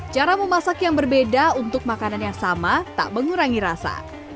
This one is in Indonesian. cara memasak yang berbeda untuk makanan yang sama tak mengurangi rasa